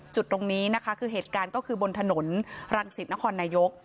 จุดตรงนี้นะคะคือเหตุการณ์ก็คือบนถนนรังสิตนครนายก